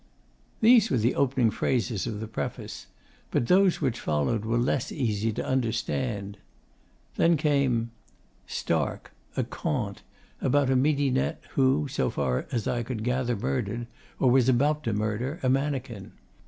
These were the opening phrases of the preface, but those which followed were less easy to understand. Then came 'Stark: A Conte,' about a midinette who, so far as I could gather, murdered, or was about to murder, a mannequin.